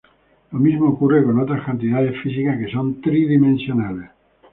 Lo mismo ocurre con otras cantidades físicas que son tridimensionales.